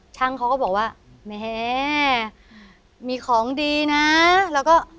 ช่างเขาก็บอกว่าแม่มีของดีนะแล้วก็